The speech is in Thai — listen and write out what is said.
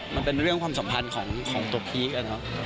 มันเป็นเรื่องความสัมพันธ์ของตัวพีค